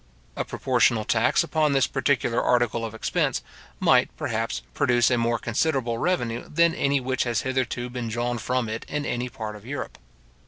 A proportional tax upon this particular article of expense might, perhaps, produce a more considerable revenue than any which has hitherto been drawn from it in any part of Europe.